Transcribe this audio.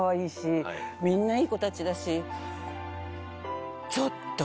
みんないい子たちだしちょっと。